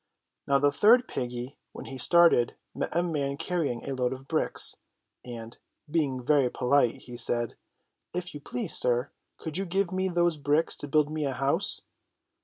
Now the third Httle piggy, when he started, met a man carrying a load of bricks, and, being very polite, he said : If you please, sir, could you give me those bricks to build me a house